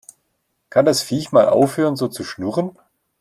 Kann das Viech mal aufhören so zu schnurren?